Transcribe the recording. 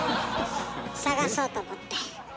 探そうと思って。